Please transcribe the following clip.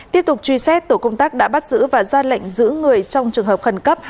tiếp tục truy xét tổ công tác đã bắt giữ và ra lệnh giữ người trong trường hợp khẩn cấp